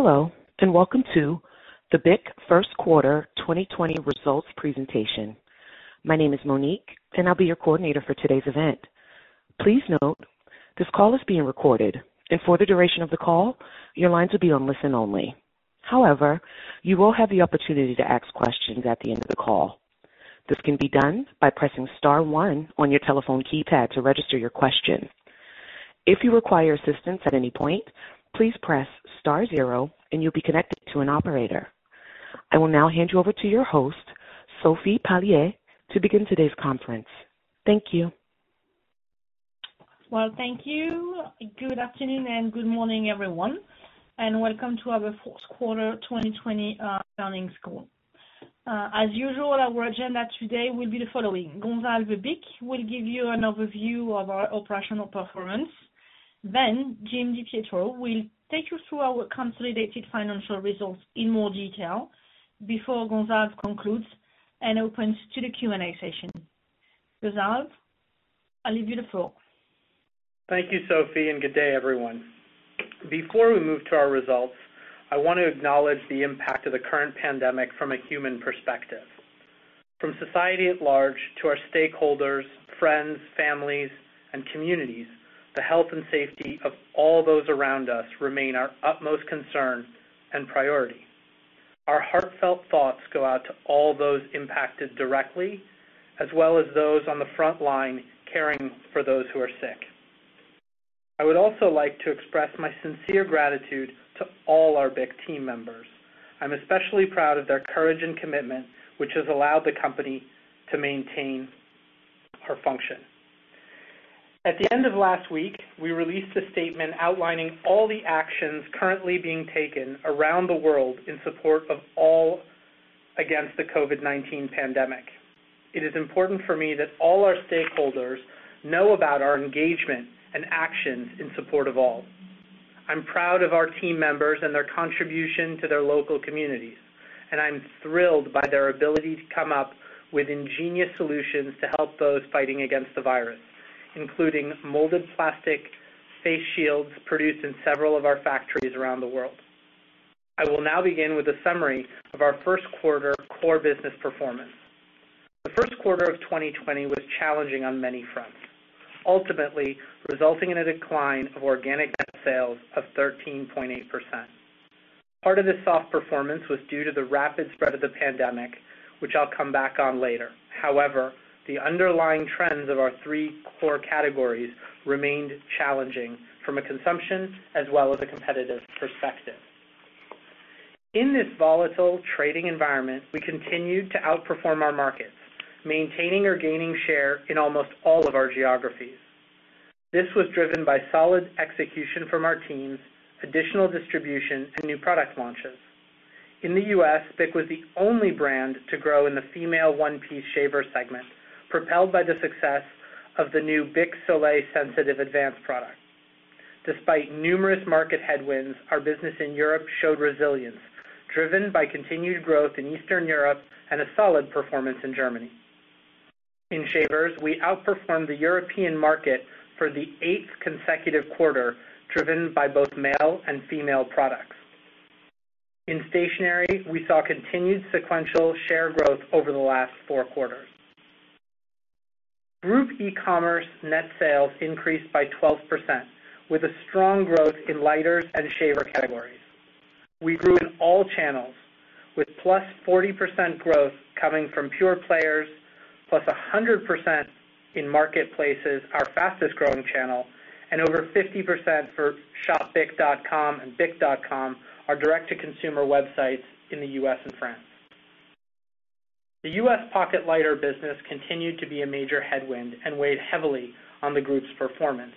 Hello, and welcome to the BIC first quarter 2020 results presentation. My name is Monique, and I'll be your coordinator for today's event. Please note, this call is being recorded. For the duration of the call, your lines will be on listen only. However, you will have the opportunity to ask questions at the end of the call. This can be done by pressing star one on your telephone keypad to register your question. If you require assistance at any point, please press star zero and you'll be connected to an operator. I will now hand you over to your host, Sophie Palliez, to begin today's conference. Thank you. Well, thank you. Good afternoon and good morning, everyone, and welcome to our first quarter 2020 earnings call. As usual, our agenda today will be the following. Gonzalve Bich will give you an overview of our operational performance. Jim DiPietro will take you through our consolidated financial results in more detail before Gonzalve concludes and opens to the Q&A session. Gonzalve, I leave you the floor. Thank you, Sophie, and good day, everyone. Before we move to our results, I want to acknowledge the impact of the current pandemic from a human perspective. From society at large to our stakeholders, friends, families, and communities, the health and safety of all those around us remain our utmost concern and priority. Our heartfelt thoughts go out to all those impacted directly, as well as those on the front line caring for those who are sick. I would also like to express my sincere gratitude to all our BIC team members. I am especially proud of their courage and commitment, which has allowed the company to maintain her function. At the end of last week, we released a statement outlining all the actions currently being taken around the world in support of all against the COVID-19 pandemic. It is important for me that all our stakeholders know about our engagement and actions in support of all. I'm proud of our team members and their contribution to their local communities, and I'm thrilled by their ability to come up with ingenious solutions to help those fighting against the virus, including molded plastic face shields produced in several of our factories around the world. I will now begin with a summary of our first quarter core business performance. The first quarter of 2020 was challenging on many fronts, ultimately resulting in a decline of organic net sales of 13.8%. Part of this soft performance was due to the rapid spread of the pandemic, which I'll come back on later. However, the underlying trends of our three core categories remained challenging from a consumption as well as a competitive perspective. In this volatile trading environment, we continued to outperform our markets, maintaining or gaining share in almost all of our geographies. This was driven by solid execution from our teams, additional distribution, and new product launches. In the U.S., BIC was the only brand to grow in the female one-piece shaver segment, propelled by the success of the new BIC Soleil Sensitive Advanced product. Despite numerous market headwinds, our business in Europe showed resilience, driven by continued growth in Eastern Europe and a solid performance in Germany. In shavers, we outperformed the European market for the eighth consecutive quarter, driven by both male and female products. In stationery, we saw continued sequential share growth over the last four quarters. Group e-commerce net sales increased by 12%, with a strong growth in lighters and shaver categories. We grew in all channels, with +40% growth coming from pure players, +100% in marketplaces, our fastest-growing channel, and over 50% for shopbic.com and bic.com, our direct-to-consumer websites in the U.S. and France. The U.S. pocket lighter business continued to be a major headwind and weighed heavily on the group's performance,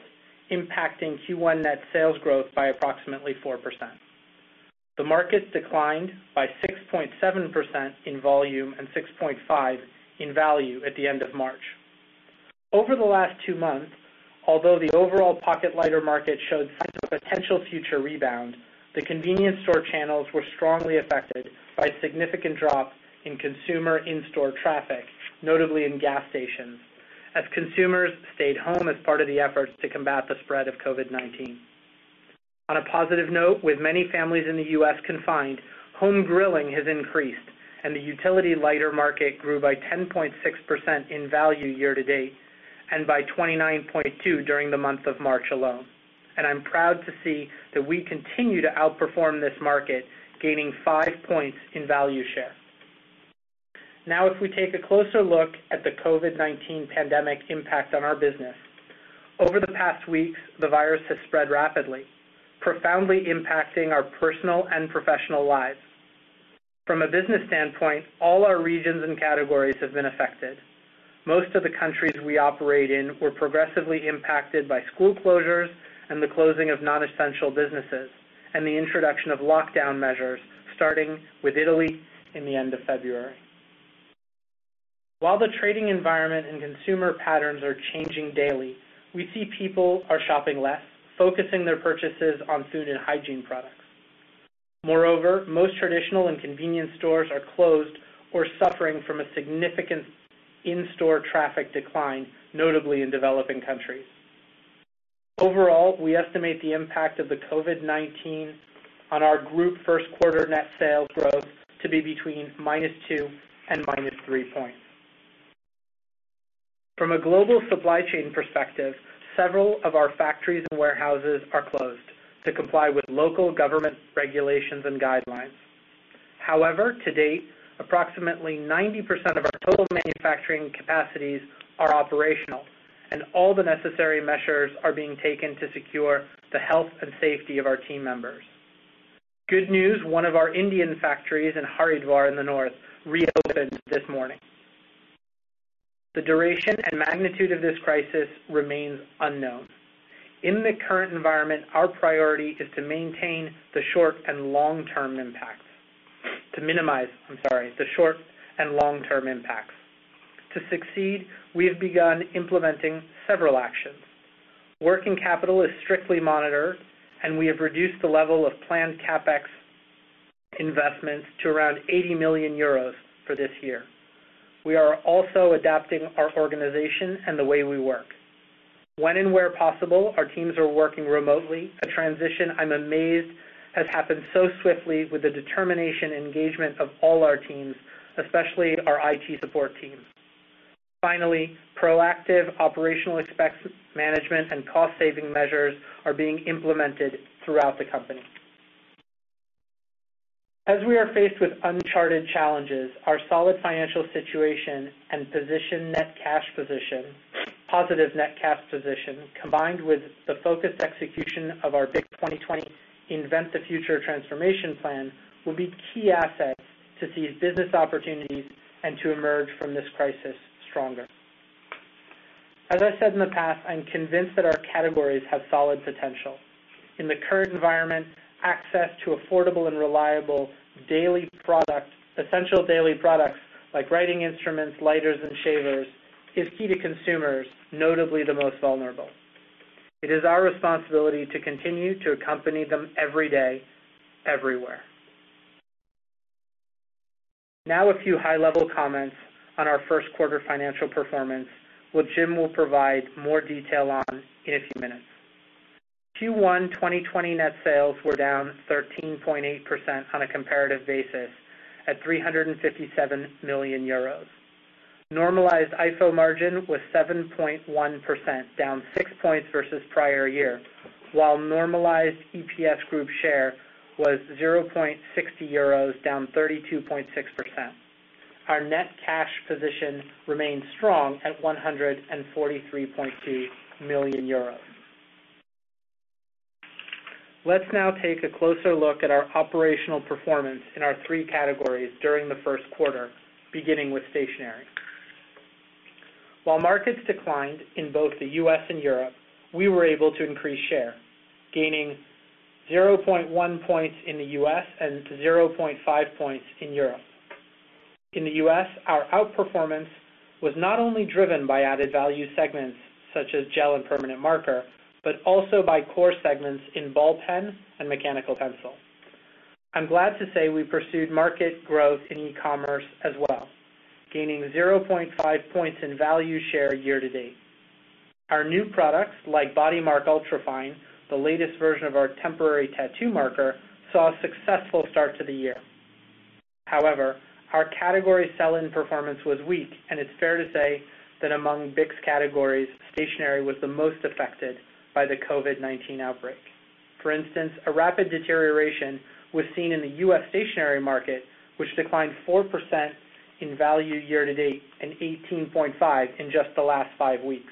impacting Q1 net sales growth by approximately 4%. The market declined by 6.7% in volume and 6.5% in value at the end of March. Over the last two months, although the overall pocket lighter market showed signs of potential future rebound, the convenience store channels were strongly affected by a significant drop in consumer in-store traffic, notably in gas stations, as consumers stayed home as part of the efforts to combat the spread of COVID-19. On a positive note, with many families in the U.S. confined, home grilling has increased, and the utility lighter market grew by 10.6% in value year to date, and by 29.2% during the month of March alone. I'm proud to see that we continue to outperform this market, gaining five points in value share. Now, if we take a closer look at the COVID-19 pandemic impact on our business. Over the past weeks, the virus has spread rapidly, profoundly impacting our personal and professional lives. From a business standpoint, all our regions and categories have been affected. Most of the countries we operate in were progressively impacted by school closures and the closing of non-essential businesses, and the introduction of lockdown measures, starting with Italy in the end of February. While the trading environment and consumer patterns are changing daily, we see people are shopping less, focusing their purchases on food and hygiene products. Most traditional and convenience stores are closed or suffering from a significant in-store traffic decline, notably in developing countries. Overall, we estimate the impact of the COVID-19 on our group first quarter net sales growth to be between -2 and -3 points. From a global supply chain perspective, several of our factories and warehouses are closed to comply with local government regulations and guidelines. However, to date, approximately 90% of our total manufacturing capacities are operational, and all the necessary measures are being taken to secure the health and safety of our team members. Good news, one of our Indian factories in Haridwar in the north reopened this morning. The duration and magnitude of this crisis remains unknown. In the current environment, our priority is to minimize the short and long-term impacts. To succeed, we have begun implementing several actions. Working capital is strictly monitored, and we have reduced the level of planned CapEx investments to around 80 million euros for this year. We are also adapting our organization and the way we work. When and where possible, our teams are working remotely. A transition I'm amazed has happened so swiftly with the determination and engagement of all our teams, especially our IT support team. Finally, proactive operational expense management and cost-saving measures are being implemented throughout the company. As we are faced with uncharted challenges, our solid financial situation and positive net cash position, combined with the focused execution of our BIC 2022 – Invent the Future transformation plan, will be key assets to seize business opportunities and to emerge from this crisis stronger. As I said in the past, I'm convinced that our categories have solid potential. In the current environment, access to affordable and reliable essential daily products like writing instruments, lighters, and shavers is key to consumers, notably the most vulnerable. It is our responsibility to continue to accompany them every day, everywhere. Now, a few high-level comments on our first quarter financial performance, which Jim will provide more detail on in a few minutes. Q1 2020 net sales were down 13.8% on a comparative basis at 357 million euros. Normalized IFO margin was 7.1%, down six points versus prior year, while normalized EPS group share was 0.60 euros, down 32.6%. Our net cash position remains strong at 143.2 million euros. Let's now take a closer look at our operational performance in our three categories during the first quarter, beginning with stationery. While markets declined in both the U.S. and Europe, we were able to increase share, gaining 0.1 points in the U.S. and 0.5 points in Europe. In the U.S., our outperformance was not only driven by added value segments such as gel and permanent marker, but also by core segments in ball pens and mechanical pencils. I'm glad to say we pursued market growth in e-commerce as well, gaining 0.5 points in value share year to date. Our new products like BodyMark Ultra Fine, the latest version of our temporary tattoo marker, saw a successful start to the year. Our category sell-in performance was weak, and it's fair to say that among BIC's categories, stationery was the most affected by the COVID-19 outbreak. For instance, a rapid deterioration was seen in the U.S. stationery market, which declined 4% in value year to date, and 18.5% in just the last five weeks.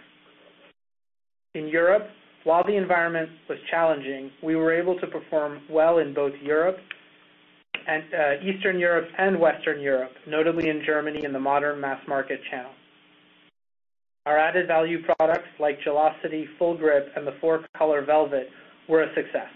In Europe, while the environment was challenging, we were able to perform well in both Eastern Europe and Western Europe, notably in Germany in the modern mass market channel. Our added-value products like Gel-ocity, [full grip], and the 4-Color Velours were a success.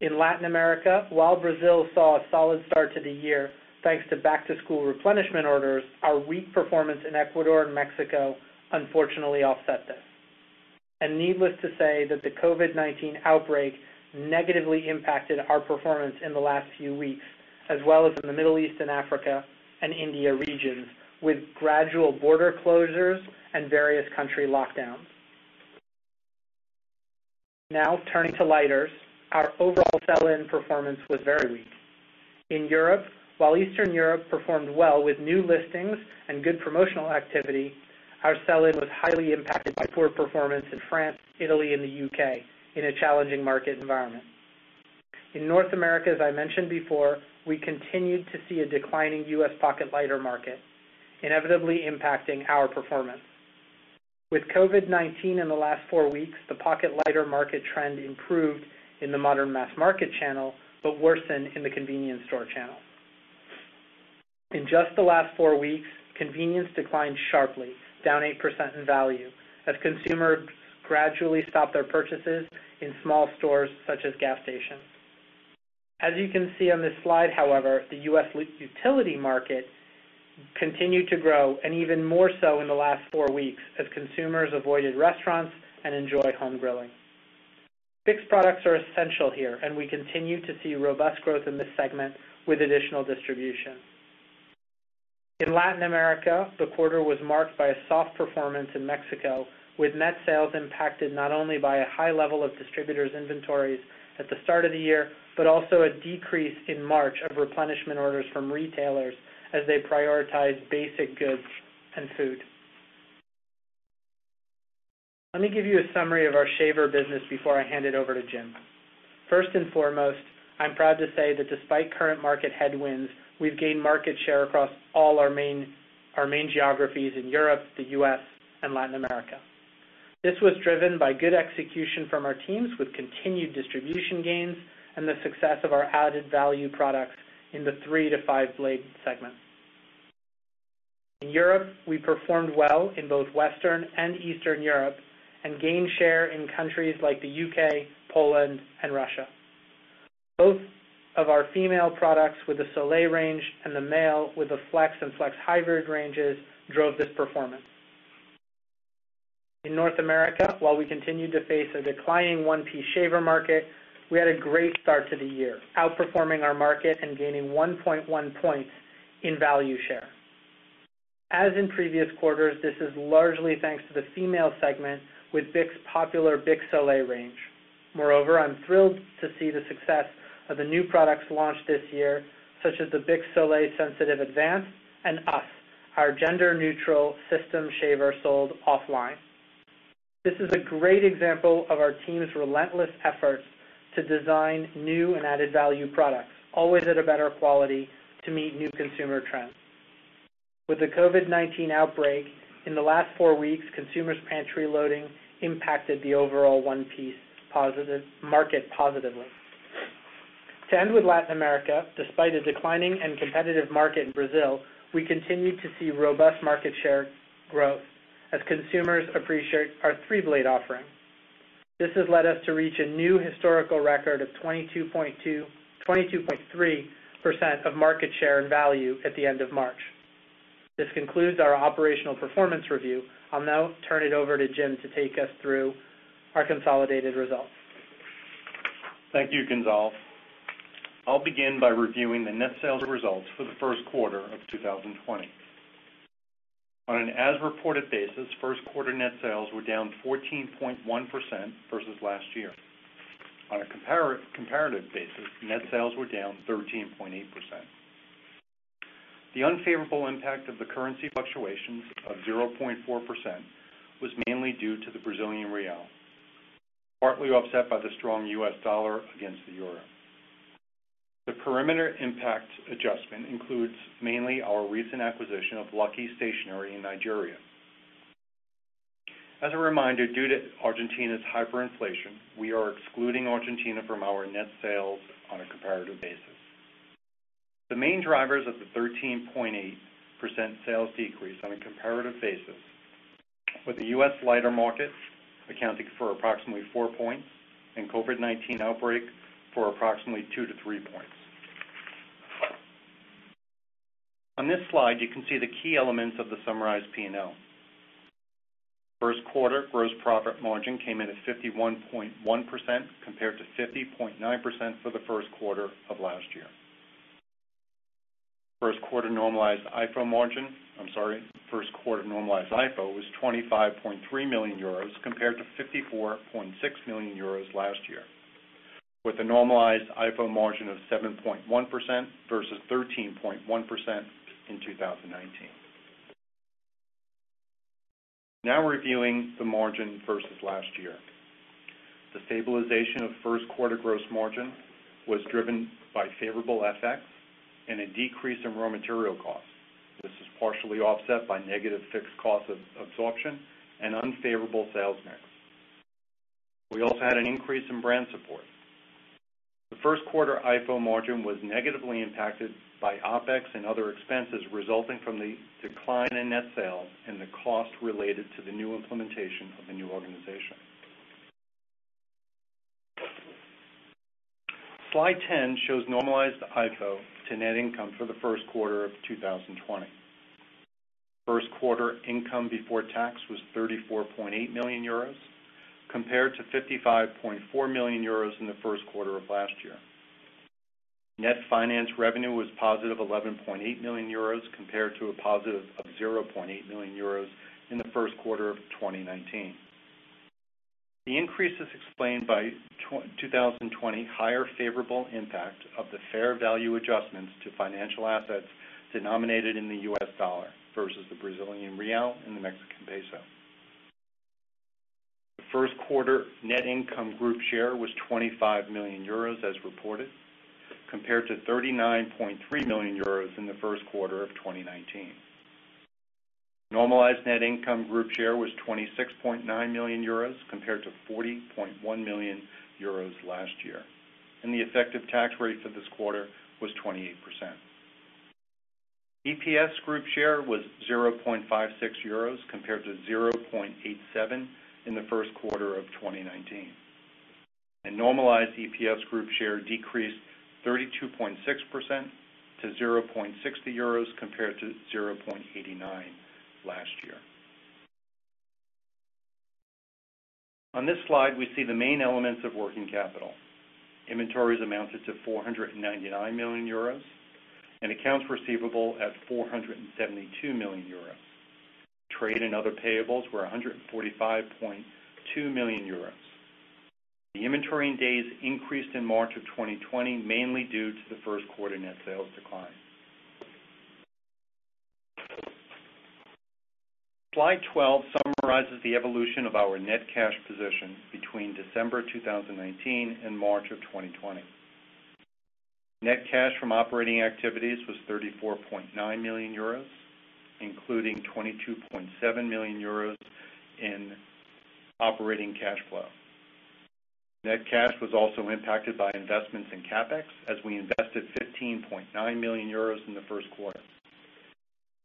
In Latin America, while Brazil saw a solid start to the year, thanks to back-to-school replenishment orders, our weak performance in Ecuador and Mexico unfortunately offset this. Needless to say that the COVID-19 outbreak negatively impacted our performance in the last few weeks, as well as in the Middle East and Africa and India regions, with gradual border closures and various country lockdowns. Now turning to lighters, our overall sell-in performance was very weak. In Europe, while Eastern Europe performed well with new listings and good promotional activity, our sell-in was highly impacted by poor performance in France, Italy, and the U.K. in a challenging market environment. In North America, as I mentioned before, we continued to see a decline in U.S. pocket lighter market, inevitably impacting our performance. With COVID-19 in the last four weeks, the pocket lighter market trend improved in the modern mass market channel, but worsened in the convenience store channel. In just the last four weeks, convenience declined sharply, down 8% in value, as consumers gradually stopped their purchases in small stores such as gas stations. As you can see on this slide, however, the U.S. utility market continued to grow, and even more so in the last four weeks as consumers avoided restaurants and enjoyed home grilling. BIC's products are essential here. We continue to see robust growth in this segment with additional distribution. In Latin America, the quarter was marked by a soft performance in Mexico, with net sales impacted not only by a high level of distributors' inventories at the start of the year, but also a decrease in March of replenishment orders from retailers as they prioritized basic goods and food. Let me give you a summary of our shaver business before I hand it over to Jim. First and foremost, I'm proud to say that despite current market headwinds, we've gained market share across all our main geographies in Europe, the U.S., and Latin America. This was driven by good execution from our teams, with continued distribution gains and the success of our added-value products in the three-to-five-blade segments. In Europe, we performed well in both Western and Eastern Europe and gained share in countries like the U.K., Poland, and Russia. Both of our female products, with the Soleil range, and the male, with the Flex and Flex Hybrid ranges, drove this performance. In North America, while we continued to face a declining one-piece shaver market, we had a great start to the year, outperforming our market and gaining 1.1 points in value share. As in previous quarters, this is largely thanks to the female segment with BIC's popular BIC Soleil range. Moreover, I'm thrilled to see the success of the new products launched this year, such as the BIC Soleil Sensitive Advanced and Us., our gender-neutral system shaver sold offline. This is a great example of our team's relentless efforts to design new and added-value products, always at a better quality to meet new consumer trends. With the COVID-19 outbreak, in the last four weeks, consumers' pantry loading impacted the overall one-piece market positively. To end with Latin America, despite a declining and competitive market in Brazil, we continued to see robust market share growth as consumers appreciate our three-blade offering. This has led us to reach a new historical record of 22.3% of market share and value at the end of March. This concludes our operational performance review. I'll now turn it over to Jim to take us through our consolidated results. Thank you, Gonzalve. I'll begin by reviewing the net sales results for the first quarter of 2020. On an as-reported basis, first quarter net sales were down 14.1% versus last year. On a comparative basis, net sales were down 13.8%. The unfavorable impact of the currency fluctuations of 0.4% was mainly due to the Brazilian real, partly offset by the strong U.S. dollar against the euro. The perimeter impact adjustment includes mainly our recent acquisition of Lucky Stationery in Nigeria. As a reminder, due to Argentina's hyperinflation, we are excluding Argentina from our net sales on a comparative basis. The main drivers of the 13.8% sales decrease on a comparative basis were the U.S. lighter markets accounting for approximately four points and COVID-19 outbreak for approximately two to three points. On this slide, you can see the key elements of the summarized P&L. First quarter gross profit margin came in at 51.1% compared to 50.9% for the first quarter of last year. First quarter normalized IFO was 25.3 million euros compared to 54.6 million euros last year, with a normalized IFO margin of 7.1% versus 13.1% in 2019. Now reviewing the margin versus last year. The stabilization of first-quarter gross margin was driven by favorable FX and a decrease in raw material costs. This was partially offset by negative fixed costs absorption and unfavorable sales mix. We also had an increase in brand support. The first-quarter IFO margin was negatively impacted by OpEx and other expenses resulting from the decline in net sales and the cost related to the new implementation of the new organization. Slide 10 shows normalized IFO to net income for the first quarter of 2020. First-quarter income before tax was 34.8 million euros compared to 55.4 million euros in the first quarter of last year. Net finance revenue was positive 11.8 million euros compared to a positive of 0.8 million euros in the first quarter of 2019. The increase is explained by 2020 higher favorable impact of the fair value adjustments to financial assets denominated in the U.S. dollar versus the Brazilian real and the Mexican peso. The first-quarter net income group share was 25 million euros as reported, compared to 39.3 million euros in the first quarter of 2019. Normalized net income group share was 26.9 million euros compared to 40.1 million euros last year. The effective tax rate for this quarter was 28%. EPS group share was 0.56 euros compared to 0.87 in the first quarter of 2019. Normalized EPS group share decreased 32.6% to 0.60 euros compared to 0.89 last year. On this slide, we see the main elements of working capital. Inventories amounted to 499 million euros and accounts receivable at 472 million euros. Trade and other payables were 145.2 million euros. The inventory days increased in March of 2020, mainly due to the first quarter net sales decline. Slide 12 summarizes the evolution of our net cash position between December 2019 and March of 2020. Net cash from operating activities was 34.9 million euros, including 22.7 million euros in operating cash flow. Net cash was also impacted by investments in CapEx as we invested 15.9 million euros in the first quarter.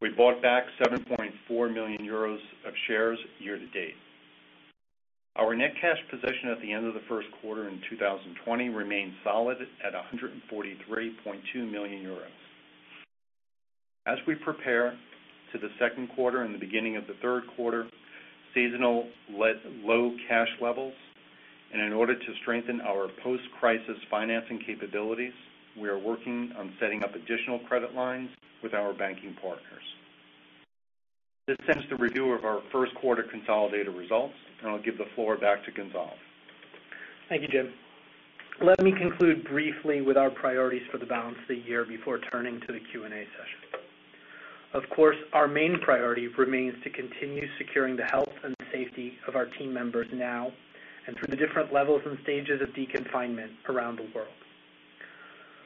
We bought back 7.4 million euros of shares year to date. Our net cash position at the end of the first quarter in 2020 remains solid at 143.2 million euros. We prepare to the second quarter and the beginning of the third quarter, seasonal low cash levels, and in order to strengthen our post-crisis financing capabilities, we are working on setting up additional credit lines with our banking partners. This ends the review of our first quarter consolidated results. I'll give the floor back to Gonzalve. Thank you, Jim. Let me conclude briefly with our priorities for the balance of the year before turning to the Q&A session. Of course, our main priority remains to continue securing the health and safety of our team members now and through the different levels and stages of deconfinement around the world.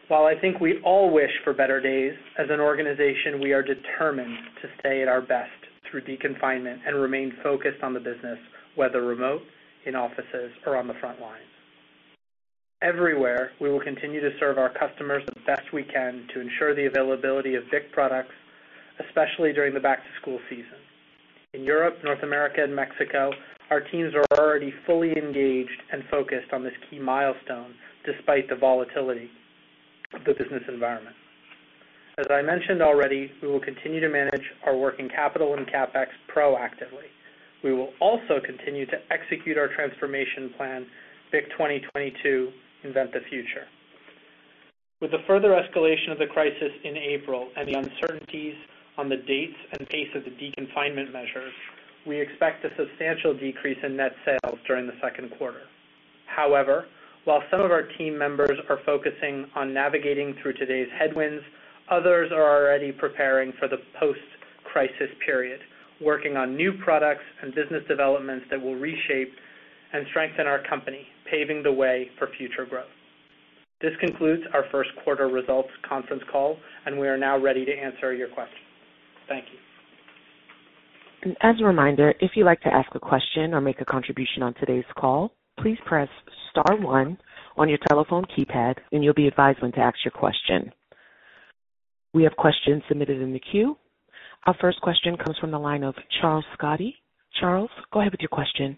While I think we all wish for better days, as an organization, we are determined to stay at our best through deconfinement and remain focused on the business, whether remote, in offices or on the front lines. Everywhere, we will continue to serve our customers the best we can to ensure the availability of BIC products, especially during the back-to-school season. In Europe, North America, and Mexico, our teams are already fully engaged and focused on this key milestone despite the volatility of the business environment. As I mentioned already, we will continue to manage our working capital and CapEx proactively. We will also continue to execute our transformation plan, BIC 2022 - Invent the Future. With the further escalation of the crisis in April and the uncertainties on the dates and pace of the deconfinement measures, we expect a substantial decrease in net sales during the second quarter. However, while some of our team members are focusing on navigating through today's headwinds, others are already preparing for the post-crisis period, working on new products and business developments that will reshape and strengthen our company, paving the way for future growth. This concludes our first quarter results conference call, and we are now ready to answer your questions. Thank you. As a reminder, if you'd like to ask a question or make a contribution on today's call, please press star one on your telephone keypad and you'll be advised when to ask your question. We have questions submitted in the queue. Our first question comes from the line of Charles Scotti. Charles, go ahead with your question.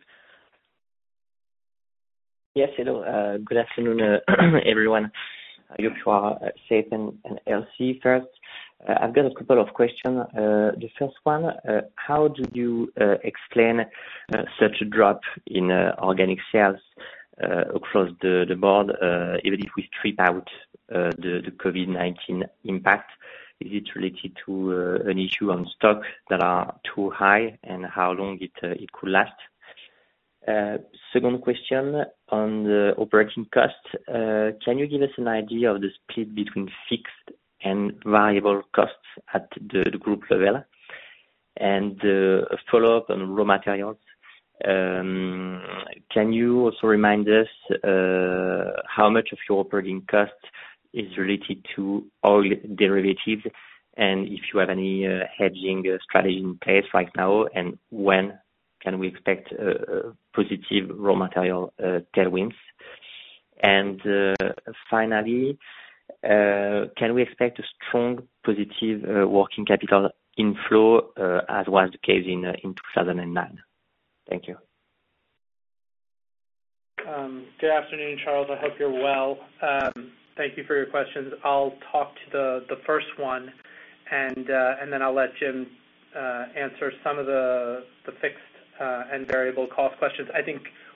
Yes, hello. Good afternoon, everyone. I hope you are safe and healthy. First, I've got a couple of questions. The first one, how do you explain such a drop in organic sales across the board, even if we strip out the COVID-19 impact? Is it related to an issue on stock that are too high, and how long it could last? Second question on the operating cost. Can you give us an idea of the split between fixed and variable costs at the group level? A follow-up on raw materials. Can you also remind us how much of your operating cost is related to oil derivatives, and if you have any hedging strategy in place right now, and when can we expect a positive raw material tailwinds? Finally, can we expect a strong positive working capital inflow, as was the case in 2009? Thank you. Good afternoon, Charles. I hope you're well. Thank you for your questions. I'll talk to the first one, then I'll let Jim answer some of the fixed and variable cost questions. I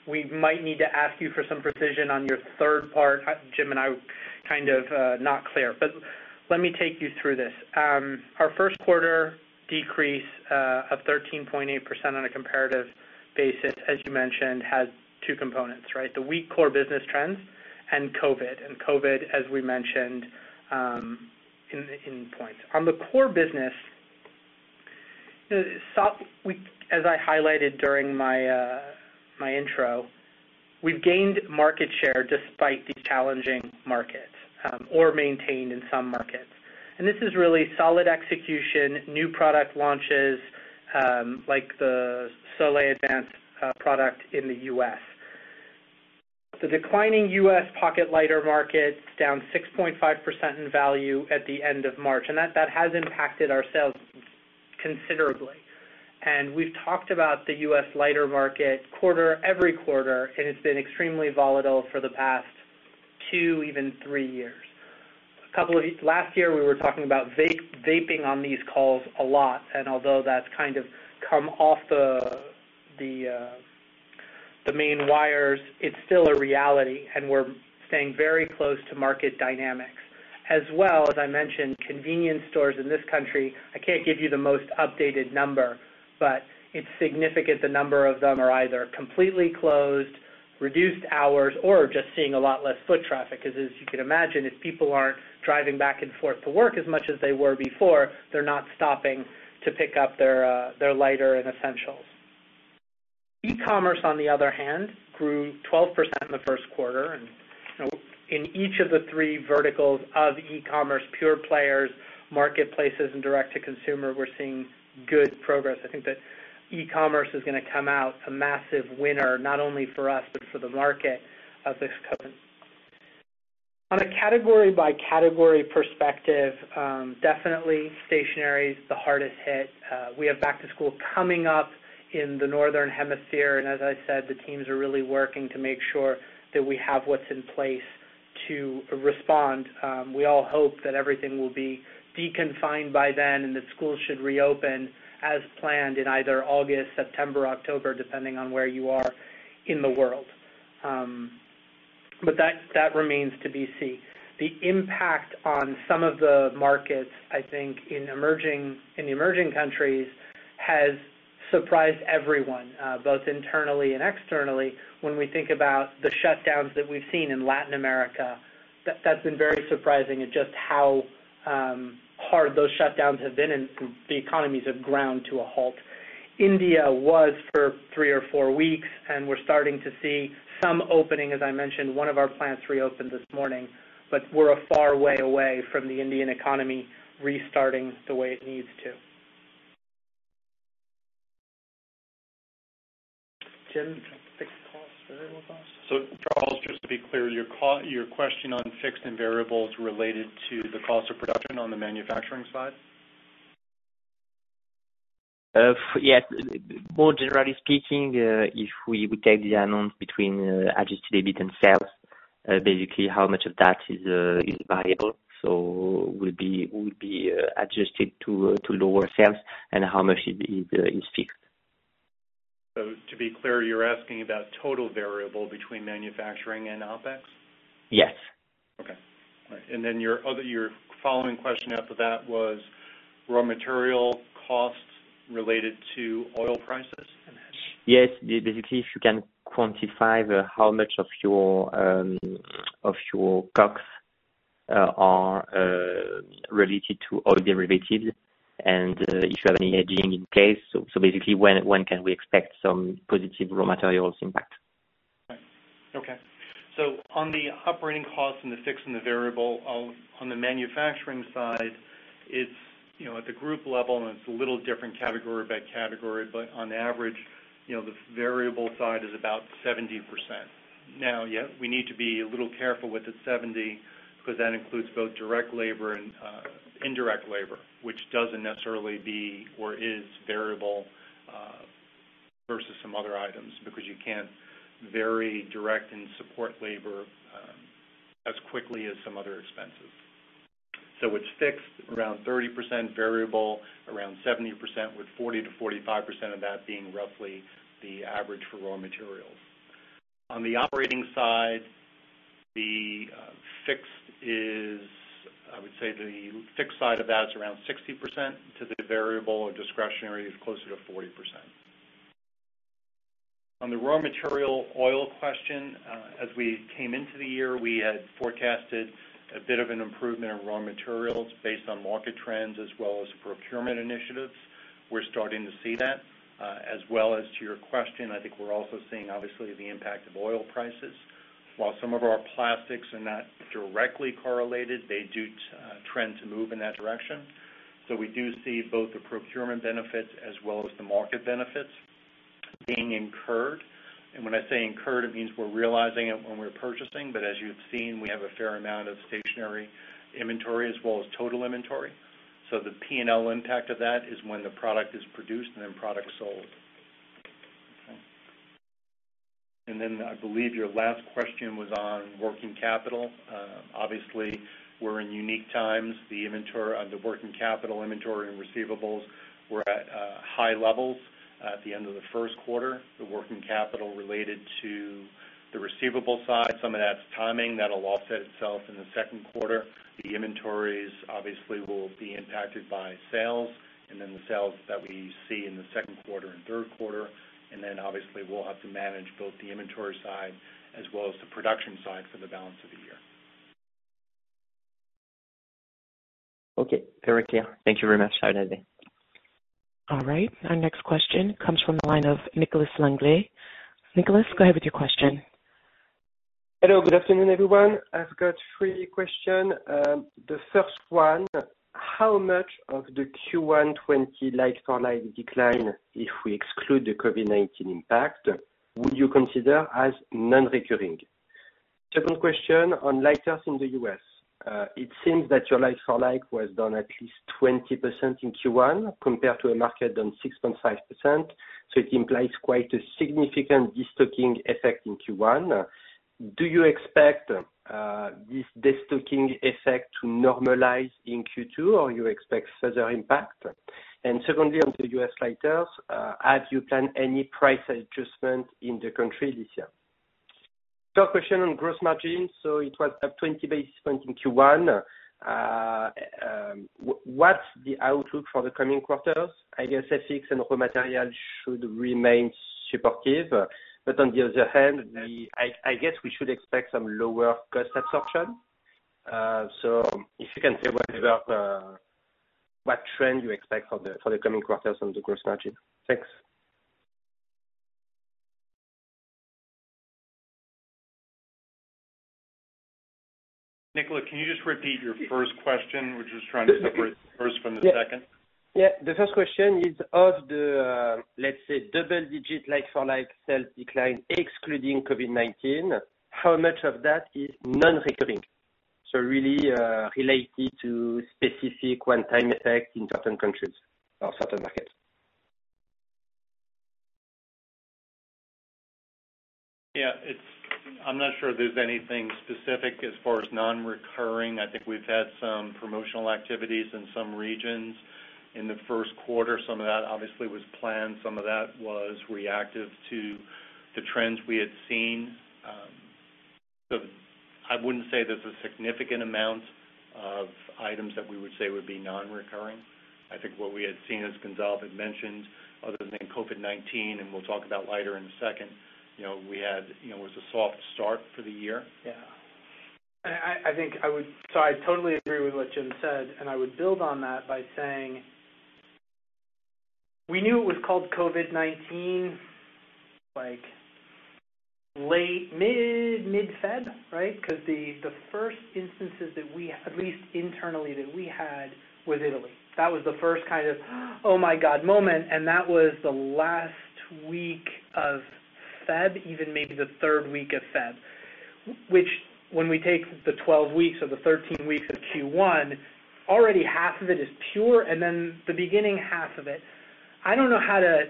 think we might need to ask you for some precision on your third part. Jim and I, kind of not clear. Let me take you through this. Our first quarter decrease of 13.8% on a comparative basis, as you mentioned, has two components, right? COVID, as we mentioned in points. On the core business, as I highlighted during my intro, we've gained market share despite the challenging market, or maintained in some markets. This is really solid execution, new product launches, like the Soleil Advanced product in the U.S. The declining U.S. pocket lighter market is down 6.5% in value at the end of March, and that has impacted our sales considerably. We've talked about the U.S. lighter market every quarter, and it's been extremely volatile for the past two, even three years. Last year, we were talking about vaping on these calls a lot, and although that's kind of come off the main wires, it's still a reality, and we're staying very close to market dynamics. As well, as I mentioned, convenience stores in this country, I can't give you the most updated number, but it's significant the number of them are either completely closed, reduced hours, or just seeing a lot less foot traffic. Because as you can imagine, if people aren't driving back and forth to work as much as they were before, they're not stopping to pick up their lighter and essentials. E-commerce, on the other hand, grew 12% in the first quarter. In each of the three verticals of e-commerce, pure players, marketplaces, and direct to consumer, we're seeing good progress. I think that e-commerce is going to come out a massive winner, not only for us, but for the market of this COVID. On a category by category perspective, definitely stationery is the hardest hit. We have back to school coming up in the northern hemisphere, and as I said, the teams are really working to make sure that we have what's in place to respond. We all hope that everything will be deconfined by then and that schools should reopen as planned in either August, September, October, depending on where you are in the world. That remains to be seen. The impact on some of the markets, I think in the emerging countries, has surprised everyone, both internally and externally. When we think about the shutdowns that we've seen in Latin America, that's been very surprising in just how hard those shutdowns have been, and the economies have ground to a halt. India was for three or four weeks, and we're starting to see some opening. As I mentioned, one of our plants reopened this morning, but we're a far way away from the Indian economy restarting the way it needs to. Jim, fixed costs, variable costs. Charles, just to be clear, your question on fixed and variables related to the cost of production on the manufacturing side? Yes. More generally speaking, if we take the amount between adjusted EBIT and sales, basically how much of that is variable, so would be adjusted to lower sales, and how much is fixed. To be clear, you're asking about total variable between manufacturing and OpEx? Yes. Okay. All right. Your following question after that was raw material costs related to oil prices and hedging. Yes. Basically, if you can quantify how much of your COGS are related to oil derivatives and if you have any hedging in case? Basically, when can we expect some positive raw materials impact? Right. Okay. On the operating costs and the fixed and the variable, on the manufacturing side, it's at the group level, and it's a little different category by category. On average, the variable side is about 70%. We need to be a little careful with the 70% because that includes both direct labor and indirect labor, which doesn't necessarily be or is variable, versus some other items, because you can't vary direct and support labor as quickly as some other expenses. It's fixed around 30%, variable around 70%, with 40%-45% of that being roughly the average for raw materials. On the operating side, I would say the fixed side of that is around 60% to the variable or discretionary is closer to 40%. On the raw material oil question, as we came into the year, we had forecasted a bit of an improvement in raw materials based on market trends as well as procurement initiatives. We're starting to see that. As well as to your question, I think we're also seeing, obviously, the impact of oil prices. While some of our plastics are not directly correlated, they do trend to move in that direction. We do see both the procurement benefits as well as the market benefits being incurred. When I say incurred, it means we're realizing it when we're purchasing. As you've seen, we have a fair amount of stationary inventory as well as total inventory. The P&L impact of that is when the product is produced and then product sold. Okay. I believe your last question was on working capital. Obviously, we're in unique times. The working capital inventory and receivables were at high levels at the end of the first quarter. The working capital related to the receivable side, some of that's timing. That'll offset itself in the second quarter. The inventories obviously will be impacted by sales, the sales that we see in the second quarter and third quarter. Obviously we'll have to manage both the inventory side as well as the production side for the balance of the year. Okay. Very clear. Thank you very much. Have a nice day. All right. Our next question comes from the line of Nicolas Langlet. Nicolas, go ahead with your question. Hello. Good afternoon, everyone. I've got three question. The first one, how much of the Q1 2020 like-for-like decline, if we exclude the COVID-19 impact, would you consider as non-recurring? Second question on lighters in the U.S. it seems that your like-for-like was down at least 20% in Q1 compared to a market down 6.5%. It implies quite a significant de-stocking effect in Q1. Do you expect this de-stocking effect to normalize in Q2, or you expect further impact? Secondly, on the U.S. lighters, have you planned any price adjustment in the country this year? Third question on gross margin. It was up 20 basis points in Q1. What's the outlook for the coming quarters? I guess FX and raw material should remain supportive. On the other hand, I guess we should expect some lower cost absorption. If you can say whatever, what trend you expect for the coming quarters on the gross margin. Thanks. Nicolas, can you just repeat your first question? We're just trying to separate the first from the second. Yeah. The first question is, of the, let's say, double-digit like-for-like sales decline excluding COVID-19, how much of that is non-recurring, really related to specific one-time effects in certain countries or certain markets? Yeah. I'm not sure there's anything specific as far as non-recurring. I think we've had some promotional activities in some regions in the first quarter. Some of that obviously was planned. Some of that was reactive to the trends we had seen. I wouldn't say there's a significant amount of items that we would say would be non-recurring. I think what we had seen, as Gonzalve had mentioned, other than COVID-19, and we'll talk about lighter in a second, was a soft start for the year. Yeah. I totally agree with what Jim said, and I would build on that by saying we knew it was called COVID-19 like mid-Feb, right? The first instances, at least internally, that we had was Italy. That was the first kind of, "Oh, my God" moment, and that was the last week of Feb, even maybe the third week of Feb. When we take the 12 weeks or the 13 weeks of Q1, already half of it is pure, and then the beginning half of it. I don't know how to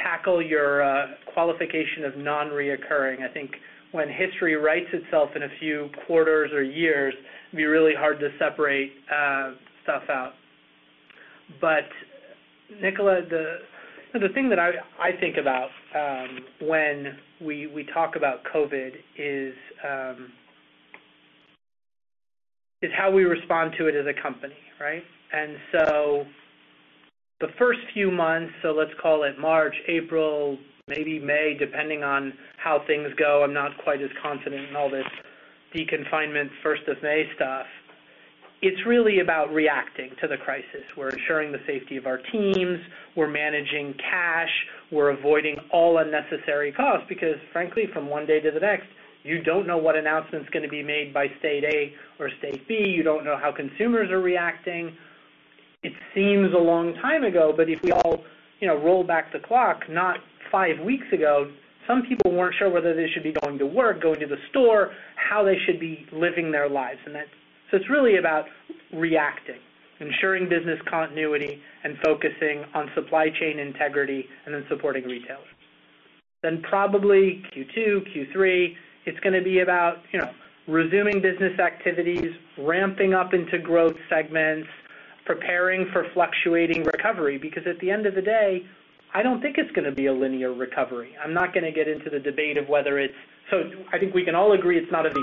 tackle your qualification of non-recurring. I think when history writes itself in a few quarters or years, it'd be really hard to separate stuff out. Nicolas, the thing that I think about when we talk about COVID is how we respond to it as a company, right? The first few months, let's call it March, April, maybe May, depending on how things go. I'm not quite as confident in all this deconfinement first of May stuff. It's really about reacting to the crisis. We're ensuring the safety of our teams. We're managing cash. We're avoiding all unnecessary costs, because frankly, from one day to the next, you don't know what announcement's gonna be made by state A or state B. You don't know how consumers are reacting. It seems a long time ago, but if we all roll back the clock, not five weeks ago, some people weren't sure whether they should be going to work, going to the store, how they should be living their lives. It's really about reacting, ensuring business continuity and focusing on supply chain integrity, then supporting retailers. Probably Q2, Q3, it's gonna be about resuming business activities, ramping up into growth segments, preparing for fluctuating recovery, because at the end of the day, I don't think it's gonna be a linear recovery. I'm not gonna get into the debate of whether it's. I think we can all agree it's not a V.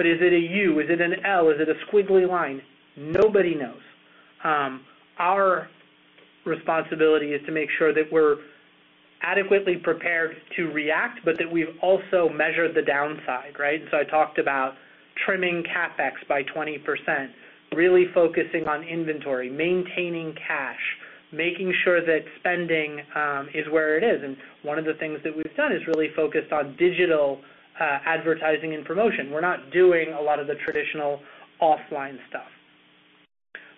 Is it a U? Is it an L? Is it a squiggly line? Nobody knows. Our responsibility is to make sure that we're adequately prepared to react, but that we've also measured the downside, right? I talked about trimming CapEx by 20%, really focusing on inventory, maintaining cash, making sure that spending is where it is. One of the things that we've done is really focused on digital advertising and promotion. We're not doing a lot of the traditional offline stuff.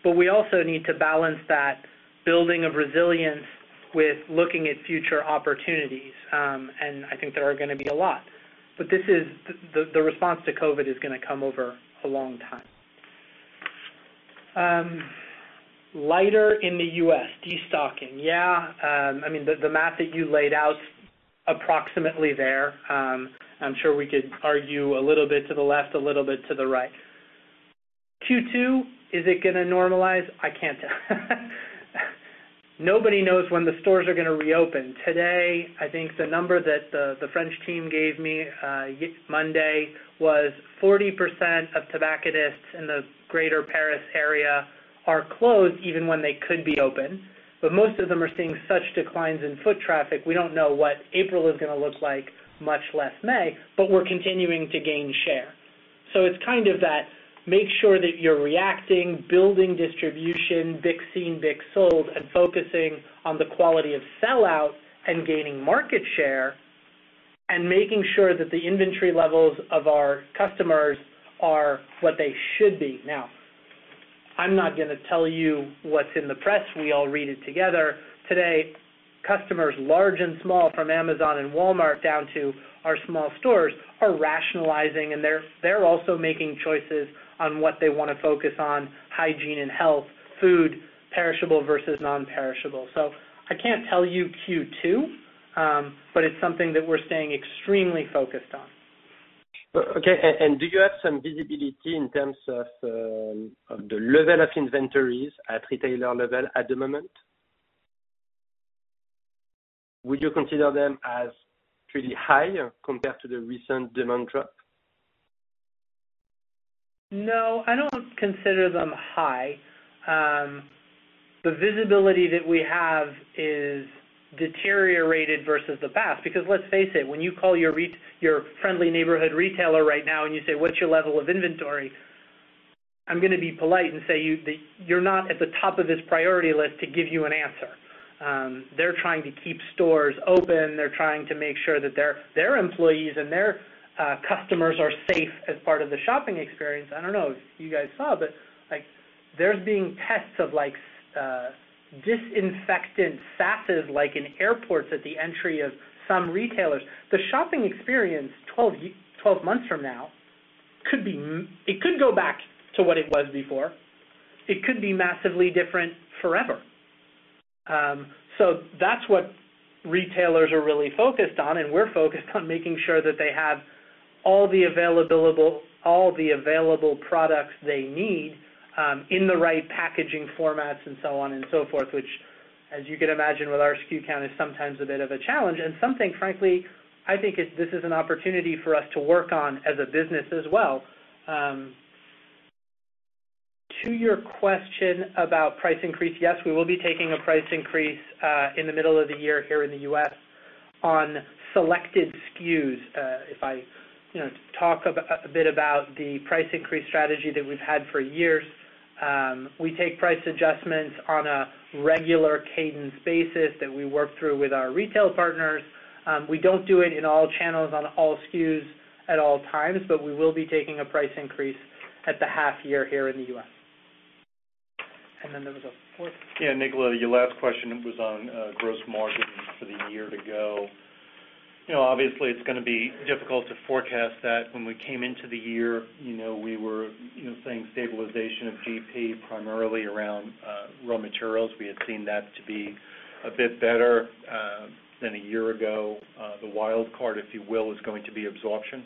We also need to balance that building of resilience with looking at future opportunities, and I think there are gonna be a lot. The response to COVID-19 is gonna come over a long time. Lighter in the U.S., de-stocking. Yeah. I mean, the math that you laid out, approximately there. I'm sure we could argue a little bit to the left, a little bit to the right. Q2, is it gonna normalize? I can't tell. Nobody knows when the stores are gonna reopen. Today, I think the number that the French team gave me Monday was 40% of tobacconists in the greater Paris area are closed even when they could be open. Most of them are seeing such declines in foot traffic, we don't know what April is gonna look like, much less May, we're continuing to gain share. It's kind of that, make sure that you're reacting, building distribution, BIC seen, BIC sold, and focusing on the quality of sellout and gaining market share, and making sure that the inventory levels of our customers are what they should be. Now, I'm not going to tell you what's in the press. We all read it together. Today, customers large and small, from Amazon and Walmart down to our small stores, are rationalizing, and they're also making choices on what they want to focus on, hygiene and health, food, perishable versus non-perishable. I can't tell you Q2, but it's something that we're staying extremely focused on. Okay. Do you have some visibility in terms of the level of inventories at retailer level at the moment? Would you consider them as pretty high compared to the recent demand drop? No, I don't consider them high. The visibility that we have is deteriorated versus the past, because let's face it, when you call your friendly neighborhood retailer right now, and you say, "What's your level of inventory?" I'm going to be polite and say, "You're not at the top of this priority list to give you an answer." They're trying to keep stores open. They're trying to make sure that their employees and their customers are safe as part of the shopping experience. I don't know if you guys saw, but there's being tests of disinfectant facets like in airports at the entry of some retailers. The shopping experience 12 months from now, it could go back to what it was before. It could be massively different forever. That's what retailers are really focused on, and we're focused on making sure that they have all the available products they need, in the right packaging formats and so on and so forth, which, as you can imagine with our SKU count, is sometimes a bit of a challenge and something, frankly, I think this is an opportunity for us to work on as a business as well. To your question about price increase, yes, we will be taking a price increase, in the middle of the year here in the U.S. on selected SKUs. If I talk a bit about the price increase strategy that we've had for years, we take price adjustments on a regular cadence basis that we work through with our retail partners. We don't do it in all channels on all SKUs at all times, but we will be taking a price increase at the half year here in the U.S. There was a fourth. Yeah, Nicolas, your last question was on gross margin for the year to go. It's going to be difficult to forecast that. When we came into the year, we were saying stabilization of GP primarily around raw materials. We had seen that to be a bit better than a year ago. The wild card, if you will, is going to be absorption,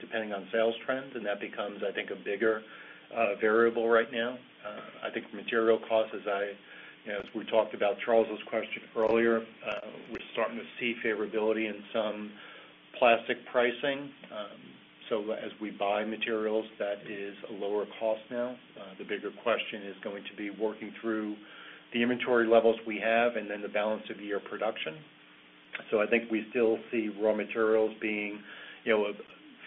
depending on sales trends, that becomes, I think, a bigger variable right now. I think material costs, as we talked about Charles' question earlier, we're starting to see favorability in some plastic pricing. As we buy materials, that is a lower cost now. The bigger question is going to be working through the inventory levels we have the balance of year production. I think we still see raw materials being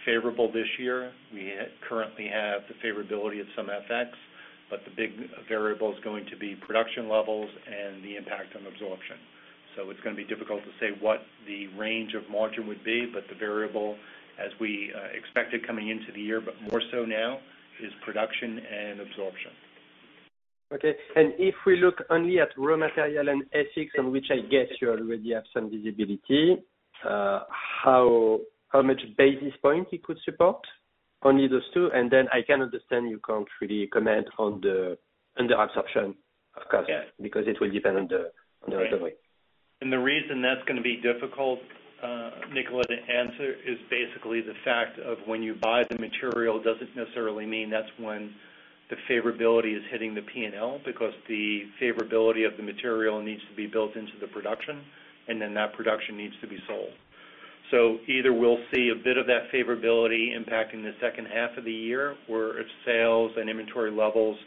favorable this year. We currently have the favorability of some FX, but the big variable is going to be production levels and the impact on absorption. It's going to be difficult to say what the range of margin would be, but the variable, as we expected coming into the year, but more so now, is production and absorption. Okay. If we look only at raw material and FX, on which I guess you already have some visibility, how many basis points it could support, only those two. I can understand you can't really comment on the absorption of costs. Yeah. Because it will depend on the recovery. The reason that's going to be difficult, Nicolas, to answer is basically the fact of when you buy the material doesn't necessarily mean that's when the favorability is hitting the P&L because the favorability of the material needs to be built into the production, and then that production needs to be sold. Either we'll see a bit of that favorability impact in the second half of the year, or if sales and inventory levels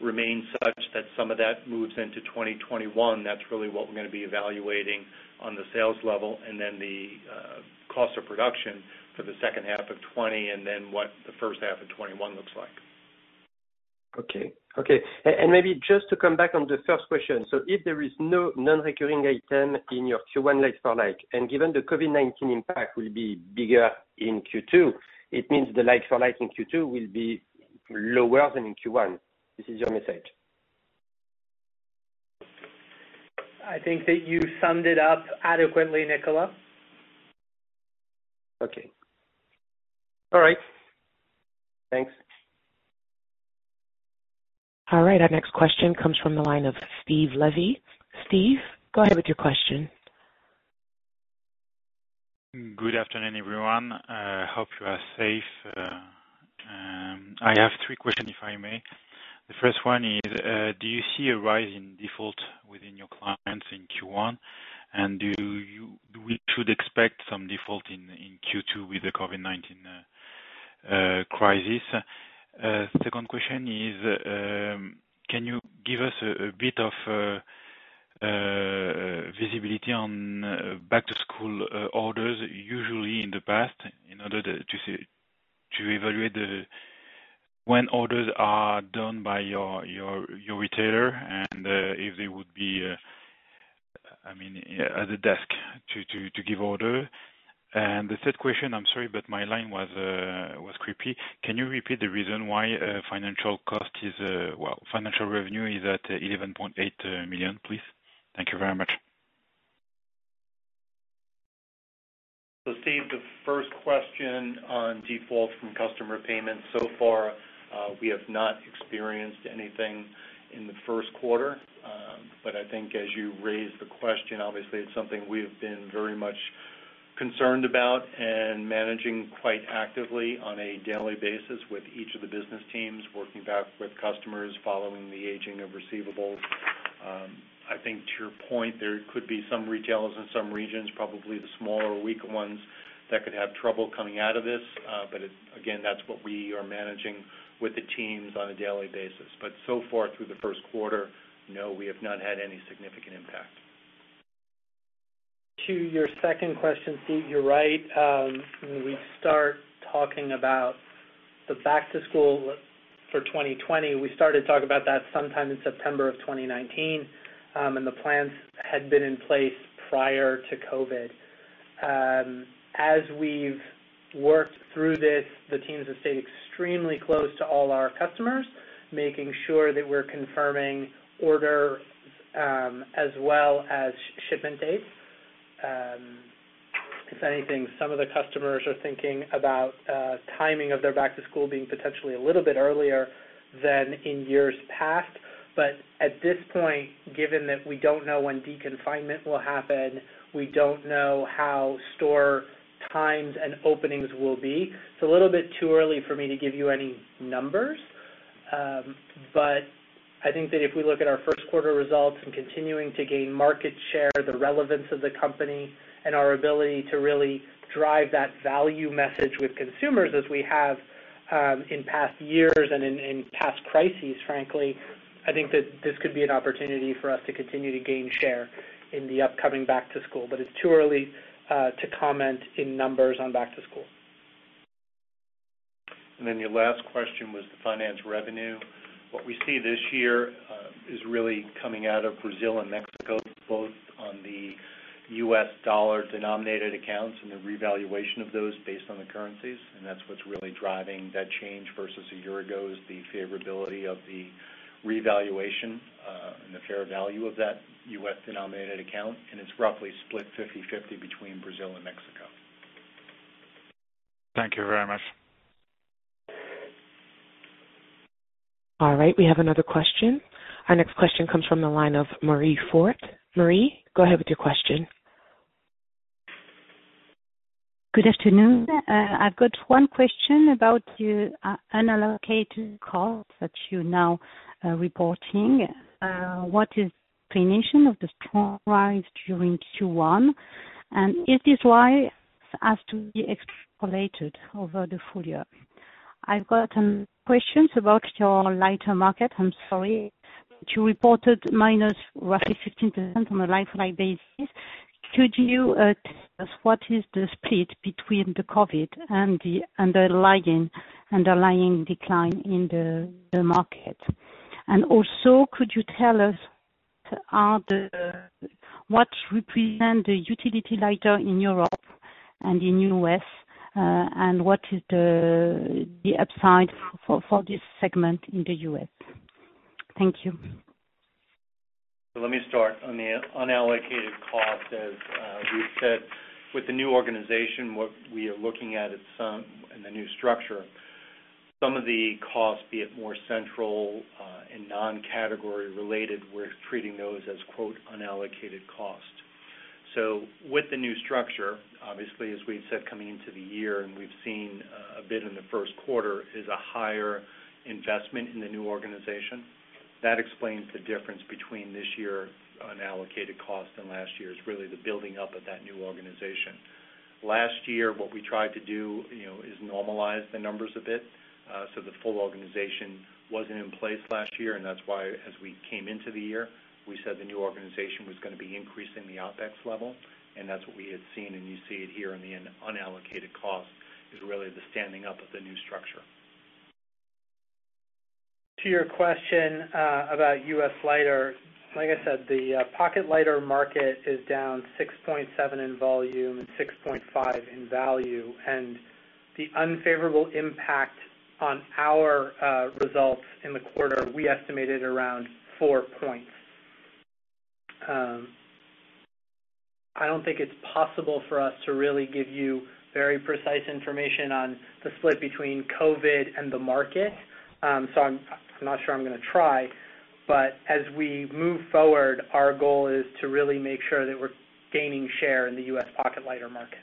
remain such that some of that moves into 2021. That's really what we're going to be evaluating on the sales level, and then the cost of production for the second half of 2020, and then what the first half of 2021 looks like. Okay. Maybe just to come back on the first question. If there is no non-recurring item in your Q1 like-for-like, and given the COVID-19 impact will be bigger in Q2, it means the like-for-like in Q2 will be lower than in Q1. This is your message? I think that you summed it up adequately, Nicolas. Okay. All right. Thanks. All right. Our next question comes from the line of Steve Levy. Steve, go ahead with your question. Good afternoon, everyone. Hope you are safe. I have three questions, if I may. The first one is, do you see a rise in default within your clients in Q1? We should expect some default in Q2 with the COVID-19 crisis. Second question is, can you give us a bit of visibility on back-to-school orders usually in the past in order to evaluate when orders are done by your retailer and if they would be, I mean, at the desk to give order. The third question, I'm sorry, but my line was unclear. Can you repeat the reason why financial revenue is at 11.8 million, please? Thank you very much. Steve, the first question on defaults from customer payments. Far, we have not experienced anything in the first quarter. I think as you raise the question, obviously, it's something we have been very much concerned about and managing quite actively on a daily basis with each of the business teams working back with customers following the aging of receivables. I think to your point, there could be some retailers in some regions, probably the smaller, weaker ones that could have trouble coming out of this. Again, that's what we are managing with the teams on a daily basis. So far through the first quarter, no, we have not had any significant impact. To your second question, Steve, you're right. When we start talking about the back to school for 2020, we started talking about that sometime in September of 2019. The plans had been in place prior to COVID. As we've worked through this, the teams have stayed extremely close to all our customers, making sure that we're confirming orders, as well as shipment dates. If anything, some of the customers are thinking about timing of their back to school being potentially a little bit earlier than in years past. At this point, given that we don't know when deconfinement will happen, we don't know how store times and openings will be. It's a little bit too early for me to give you any numbers. I think that if we look at our first quarter results and continuing to gain market share, the relevance of the company, and our ability to really drive that value message with consumers as we have in past years and in past crises, frankly, I think that this could be an opportunity for us to continue to gain share in the upcoming back to school. It's too early to comment in numbers on back to school. Then your last question was the finance revenue. What we see this year is really coming out of Brazil and Mexico, both on the U.S. dollar-denominated accounts and the revaluation of those based on the currencies, and that's what's really driving that change versus a year ago, is the favorability of the revaluation, and the fair value of that U.S. denominated account, and it's roughly split 50-50 between Brazil and Mexico. Thank you very much. All right, we have another question. Our next question comes from the line of Marie-Line Fort. Marie, go ahead with your question. Good afternoon. I've got one question about your unallocated costs that you're now reporting. What is the explanation of the strong rise during Q1? Is this rise has to be extrapolated over the full year? I've got some questions about your lighter market. I'm sorry. You reported minus roughly 15% on a like-to-like basis. Could you tell us what is the split between the COVID and the underlying decline in the market? Also, could you tell us what represent the utility lighter in Europe and in U.S.? What is the upside for this segment in the U.S.? Thank you. Let me start on the unallocated cost. As we've said, with the new organization, what we are looking at, and the new structure, some of the costs be it more central, and non-category related, we're treating those as unallocated cost. With the new structure, obviously, as we had said, coming into the year and we've seen a bit in the first quarter, is a higher investment in the new organization. That explains the difference between this year unallocated cost and last year's, really the building up of that new organization. Last year, what we tried to do is normalize the numbers a bit. The full organization wasn't in place last year, and that's why, as we came into the year, we said the new organization was going to be increasing the OpEx level, and that's what we had seen, and you see it here in the unallocated cost, is really the standing up of the new structure. To your question about U.S. lighter, like I said, the pocket lighter market is down 6.7% in volume and 6.5% in value. The unfavorable impact on our results in the quarter, we estimated around four points. I don't think it's possible for us to really give you very precise information on the split between COVID-19 and the market. I'm not sure I'm going to try, but as we move forward, our goal is to really make sure that we're gaining share in the U.S. pocket lighter market.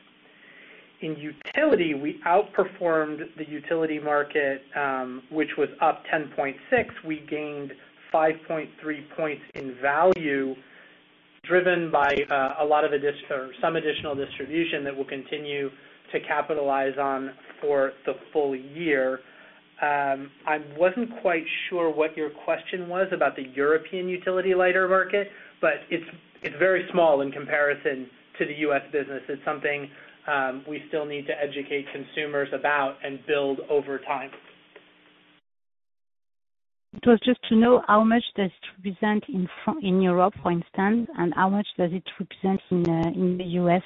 In utility, we outperformed the utility market, which was up 10.6%. We gained 5.3 points in value, driven by some additional distribution that we'll continue to capitalize on for the full year. I wasn't quite sure what your question was about the European utility lighter market, but it's very small in comparison to the U.S. business. It's something we still need to educate consumers about and build over time. It was just to know how much does it represent in Europe, for instance, and how much does it represent in the U.S.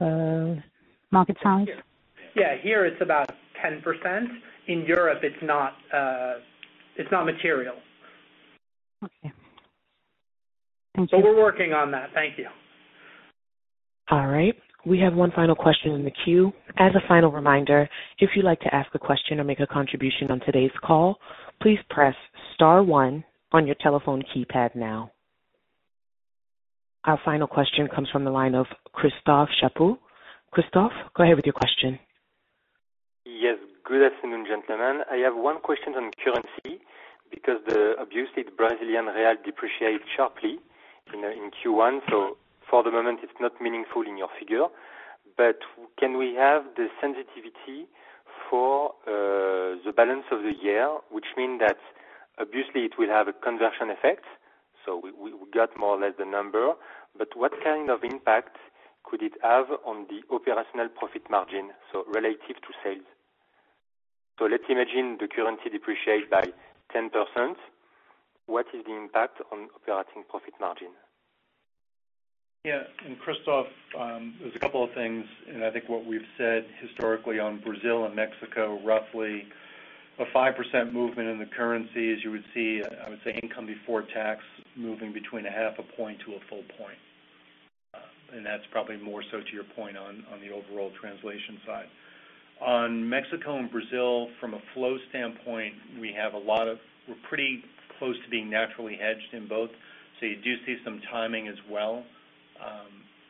market size? Yeah. Here it's about 10%. In Europe it's not material. Okay. Thank you. We're working on that. Thank you. All right. We have one final question in the queue. As a final reminder, if you'd like to ask a question or make a contribution on today's call, please press star one on your telephone keypad now. Our final question comes from the line of Christophe Chaput. Christophe, go ahead with your question. Yes. Good afternoon, gentlemen. I have one question on currency, because obviously the Brazilian real depreciated sharply in Q1. For the moment it's not meaningful in your figure. Can we have the sensitivity for the balance of the year? Which means that obviously it will have a conversion effect, so we got more or less the number. What kind of impact could it have on the operational profit margin, so relative to sales? Let's imagine the currency depreciates by 10%. What is the impact on operating profit margin? Yeah. Christophe, there's a couple of things, and I think what we've said historically on Brazil and Mexico, roughly a 5% movement in the currency, as you would see, I would say income before tax moving between a half a point to a full point. That's probably more so to your point on the overall translation side. On Mexico and Brazil, from a flow standpoint, we're pretty close to being naturally hedged in both. You do see some timing as well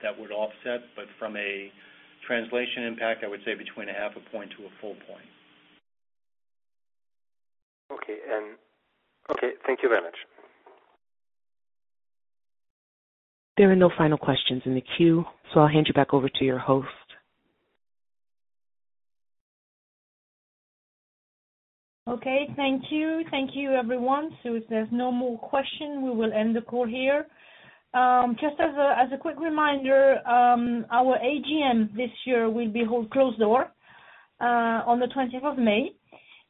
that would offset, but from a translation impact, I would say between a half a point to a full point. Okay. Thank you very much. There are no final questions in the queue, so I'll hand you back over to your host. Okay, thank you. Thank you, everyone. If there's no more question, we will end the call here. Just as a quick reminder, our AGM this year will be closed door on the 20th of May,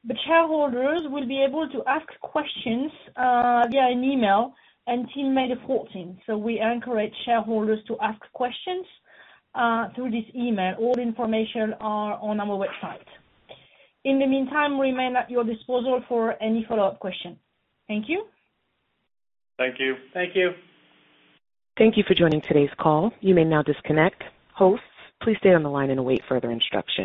but shareholders will be able to ask questions via an email until May 14th. We encourage shareholders to ask questions through this email. All information are on our website. In the meantime, we remain at your disposal for any follow-up questions. Thank you. Thank you. Thank you. Thank you for joining today's call. You may now disconnect. Hosts, please stay on the line and await further instruction.